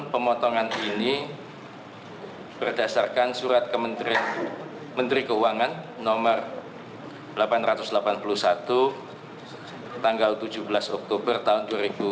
pemotongan ini berdasarkan surat menteri keuangan nomor delapan ratus delapan puluh satu tanggal tujuh belas oktober tahun dua ribu dua puluh